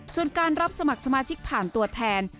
ส่วนการรับสมัครสมาชิกผ่านตัวแทน